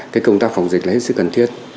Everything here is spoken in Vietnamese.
công tác phòng dịch là hết sức cần thiết